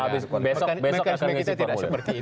besok akan ngisi formulir